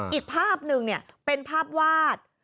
อีกภาพนึงเนี่ยเป็นภาพวาด